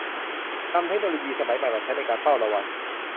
นำเทคโนโลยีสมัยใหม่มาใช้ในการเฝ้าระวัง